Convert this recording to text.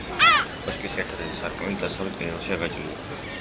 კოშკის ერთადერთი სარკმელი დასავლეთ კედელშია გაჭრილი.